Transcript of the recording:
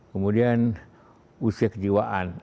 kemudian usia kejiwaan